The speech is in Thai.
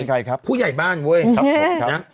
พูดใจใครครับผู้ใหญ่บ้านเว้ย